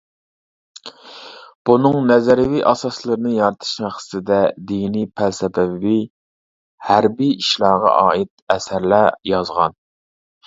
بۇنىڭ نەزەرىيەۋى ئاساسلىرىنى يارىتىش مەقسىتىدە دىنىي پەلسەپىۋى، ھەربىي ئىشلارغا ئائىت ئەسەرلەر يازغان.